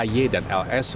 y dan ls